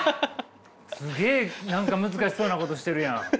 すげえ何か難しそうなことしてるやん。